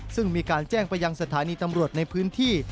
ซึ่งมีการแจ้งไปยังสถานีตำรวจในพื้นที่